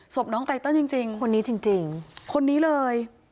สมน้องไตเติ้ลจริงจริงคนนี้จริงจริงคนนี้เลย